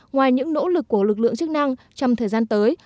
ngoài những nỗ lực của lực lượng chức năng trong thời gian tới